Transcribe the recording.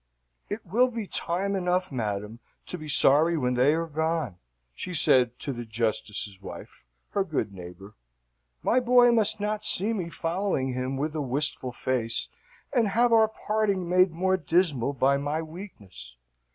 "It will be time enough, madam, to be sorry when they are gone," she said to the Justice's wife, her good neighbour. "My boy must not see me following him with a wistful face, and have our parting made more dismal by my weakness.